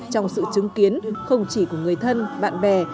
trong sự chứng kiến không chỉ của người thân bạn bè